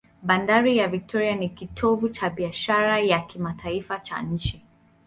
Bandari ya Victoria ni kitovu cha biashara ya kimataifa cha nchi.